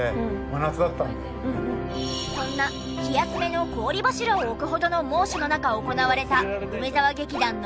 そんな気休めの氷柱を置くほどの猛暑の中行われた梅沢劇団の公演。